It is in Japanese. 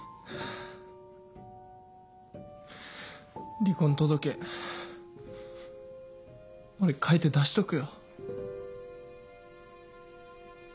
離婚届俺書いて出しとくよ。